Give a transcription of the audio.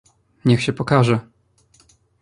"niech się pokaże!"